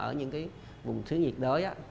ở những cái vùng thiếu nhiệt đới á